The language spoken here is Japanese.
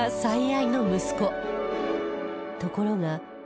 ところが